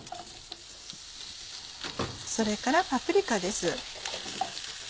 それからパプリカです。